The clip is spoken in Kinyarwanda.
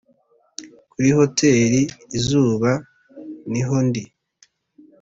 kuri hoteri izuba niho ndi